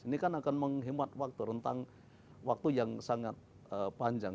ini kan akan menghemat waktu rentang waktu yang sangat panjang